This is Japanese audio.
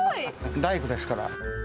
大工ですから。